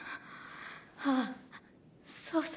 ああそうさ。